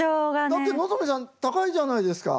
だって望海さん高いじゃないですか！